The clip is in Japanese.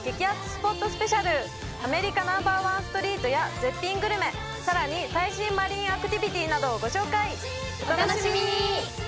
スポットスペシャルアメリカナンバーワンストリートや絶品グルメさらに最新マリンアクティビティなどをご紹介お楽しみに！